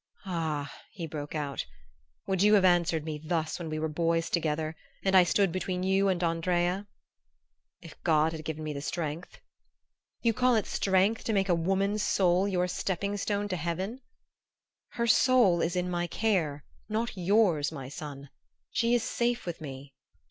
"Ah," he broke out, "would you have answered me thus when we were boys together, and I stood between you and Andrea?" "If God had given me the strength." "You call it strength to make a woman's soul your stepping stone to heaven?" "Her soul is in my care, not yours, my son. She is safe with me."